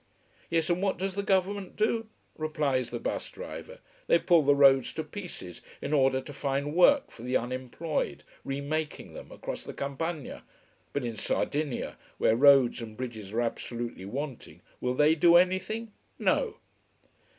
Yes, and what does the Government do! replies the bus driver. They pull the roads to pieces in order to find work for the unemployed, remaking them, across the campagna. But in Sardinia, where roads and bridges are absolutely wanting, will they do anything? No!